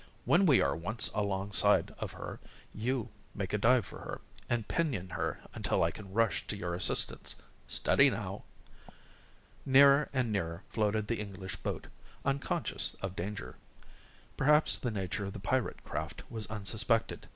When we are once alongside of her, you make a dive for her, and pinion her until I can rush to your assistance. Steady now." Nearer and nearer floated the English boat, unconscious of danger. Perhaps the nature of the pirate craft was unsuspected.